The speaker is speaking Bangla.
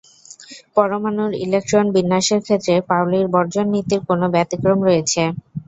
পরমাণুর ইলেকট্রন বিন্যাসের ক্ষেত্রে পাউলির বর্জন নীতির কোনো ব্যতিক্রম রয়েছে?